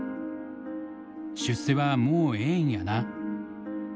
「出世はもうええんやな」。